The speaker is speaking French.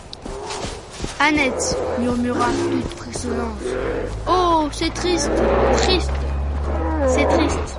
Annette murmura toute frissonnante : «Oh ! c'est triste, triste.» C'est triste.